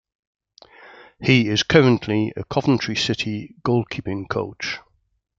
He is currently a Coventry City Goalkeeping coach.